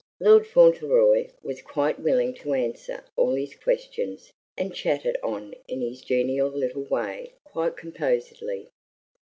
Lord Fauntleroy was quite willing to answer all his questions and chatted on in his genial little way quite composedly.